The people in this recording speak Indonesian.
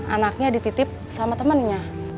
anaknya dititip sama temennya